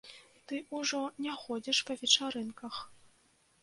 Ты ўжо не ходзіш па вечарынках.